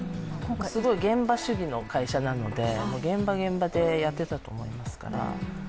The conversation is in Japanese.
すごい現場主義の会社なので、現場現場でやっていたと思いますから。